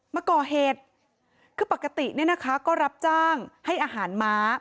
มาก่อเหตุคือปกติเนี่ยนะคะก็รับจ้างให้อาหารม้า